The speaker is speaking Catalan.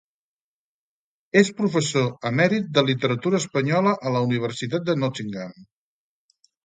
És professor emèrit de literatura espanyola a la Universitat de Nottingham.